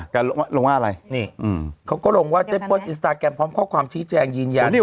แกลมรองว่าอะไรนี่อืมเขาก็ลงว่าเต็ปติ๊บอทอิงสตาแกรมพร้อมข้อความชี้แจงยืนยัน